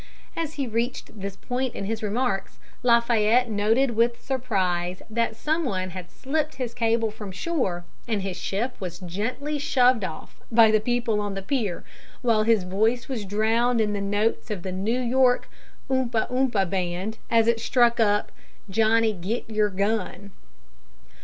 As he reached this point in his remarks, Lafayette noted with surprise that some one had slipped his cable from shore and his ship was gently shoved off by people on the pier, while his voice was drowned in the notes of the New York Oompah Oompah Band as it struck up "Johnny, git yer Gun."